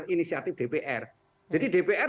inisiatif dpr jadi dpr